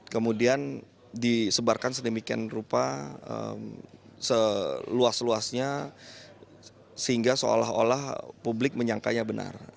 kemudian disebarkan sedemikian rupa seluas luasnya sehingga seolah olah publik menyangkanya benar